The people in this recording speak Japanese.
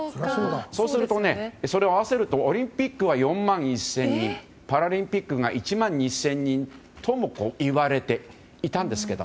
そうすると、それを合わせるとオリンピックは４万１０００人パラリンピックが１万２０００人ともいわれていたんですけど